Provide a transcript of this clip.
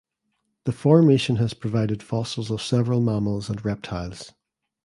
The formation has provided fossils of several mammals and reptiles.